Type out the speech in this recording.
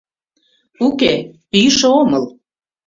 — Уке, йӱшӧ омыл.